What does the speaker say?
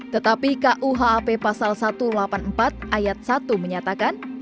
tetapi kuhp pasal satu ratus delapan puluh empat ayat satu menyatakan